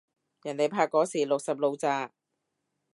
人哋拍嗰時六十路咋